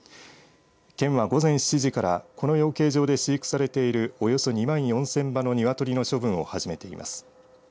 県は午前７時からこの養鶏場で飼育されているおよそ２万４０００羽の鶏の処分を始めています。